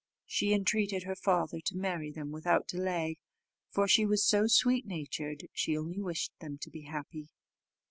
She entreated her father to marry them without delay, for she was so sweet natured, she only wished them to be happy.